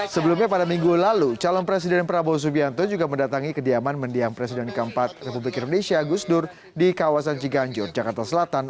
sebelumnya pada minggu lalu calon presiden prabowo subianto juga mendatangi kediaman mendiang presiden keempat republik indonesia gusdur di kawasan ciganjur jakarta selatan